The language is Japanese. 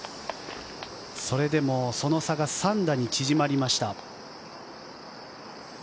それでもその差が３打に縮まりました。